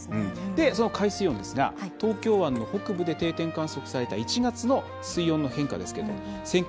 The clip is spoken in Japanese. その海水温ですが東京湾の北部で定点観測された１月の水温の変化ですけど。